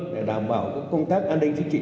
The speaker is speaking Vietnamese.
để đảm bảo công tác an ninh chính trị